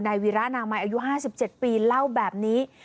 วีระนามัยอายุ๕๗ปีเล่าแบบนี้